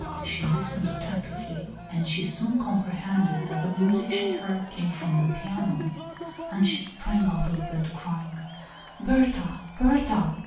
She listened attentively, and she soon comprehended that the music she heard came from the piano; and she sprang out of bed, crying: "Berta! Berta!"